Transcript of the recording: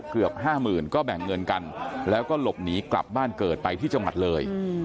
เกือบห้าหมื่นก็แบ่งเงินกันแล้วก็หลบหนีกลับบ้านเกิดไปที่จังหวัดเลย